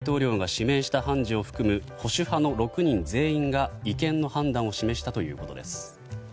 ９人の判事のうちトランプ前大統領が指名した判事を含む保守派の６人全員が違憲の判断を示したということです。